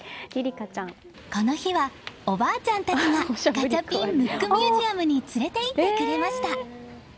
この日はおばあちゃんたちがガチャピン・ムックミュージアムへ連れて行ってくれました。